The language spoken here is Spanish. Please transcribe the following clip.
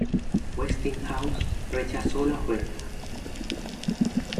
Westinghouse rechazó la oferta.